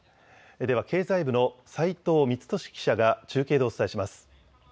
では経済部の斉藤光峻記者が中継でお伝えします。